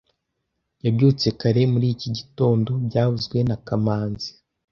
Yabyutse kare muri iki gitondo byavuzwe na kamanzi